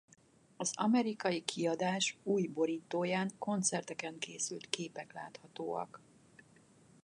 Az amerikai kiadás új borítóján koncerteken készült képek láthatóak.